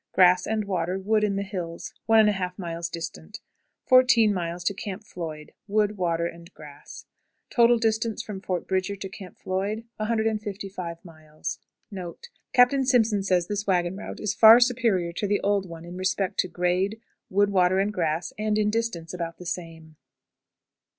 Grass and water; wood in the hills 1 1/2 miles distant. 14. Camp Floyd. Wood, water, and grass. Total distance from Fort Bridger to Camp Floyd, 155 miles. NOTE. Captain Simpson says this wagon route is far superior to the old one in respect to grade, wood, water, and grass, and in distance about the same.